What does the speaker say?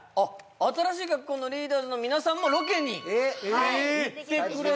新しい学校のリーダーズの皆さんもロケに行ってくれてる？